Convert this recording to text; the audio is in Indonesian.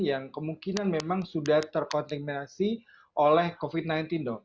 yang kemungkinan memang sudah terkontaminasi oleh covid sembilan belas dok